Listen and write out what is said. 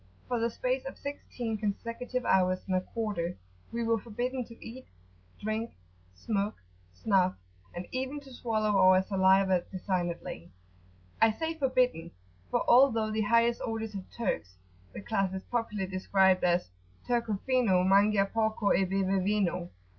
For the space of sixteen consecutive hours and a quarter, we were forbidden to eat, drink, smoke, snuff, and even to swallow our saliva designedly. I say forbidden, for although the highest orders of Turks, the class is popularly described as "Turco fino Mangia porco e beve vino."